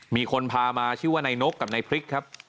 มีคนพามาชื่อว่านายนกกับนายพริกครับ